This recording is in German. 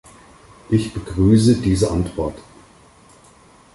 Ich begrüße diese Antwort.